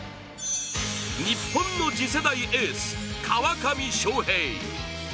日本の次世代エース、川上翔平。